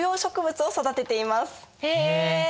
へえ。